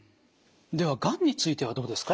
ではがんについてはどうですか？